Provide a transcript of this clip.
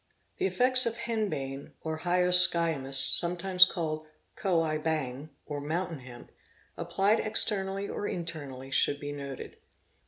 The effects of henbane or hyoscyamus, sometimes called Koh i bhang _ or mountain hemp, applied externally or internally should be noted.